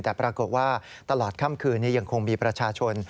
แต่ปรากฏว่าตลอดค่ำคืนนี้ยังคงมีประชาชน